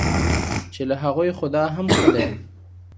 چې له هغوی خو دا هم ښه دی.